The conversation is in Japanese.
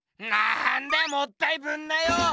なんだよもったいぶんなよ！